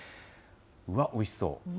うわ、おいしそう。